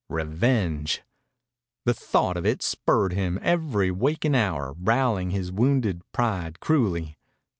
Revenge! The thought of it spurred him every waking hour, roweling his wounded pride cruelly.